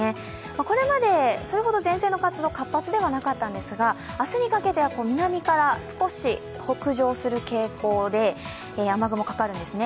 これまでそれほど前線の活動、活発ではなかったんですが明日にかけて南から少し北上する傾向で、雨雲がかかるんですね。